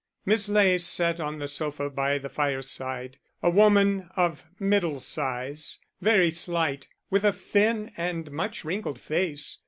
Miss Ley sat on the sofa by the fireside, a woman of middle size, very slight, with a thin and much wrinkled face.